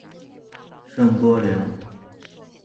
圣波良。